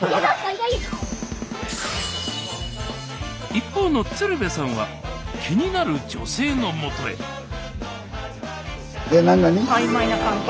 一方の鶴瓶さんは気になる女性のもとへえ？